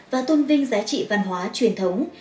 và tôn vinh giá trị văn hóa truyền thống